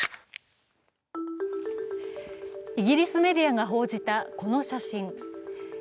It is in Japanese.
イギリスメディアが報じたこの写真。